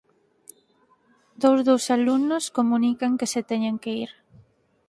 Dous dos alumnos comunican que se teñen que ir.